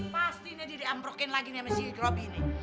pastinya di diambrokin lagi nih mas jilid robi nih